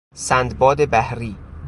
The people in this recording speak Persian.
سندباد بحری